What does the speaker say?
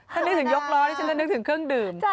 ถ้านึกถึงยกล้อนี่ฉันจะนึกถึงเครื่องดื่ม